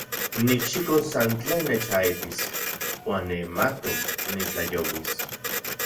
Nikxikos san tlen nechaijtis uan nimatok nitlajyouis.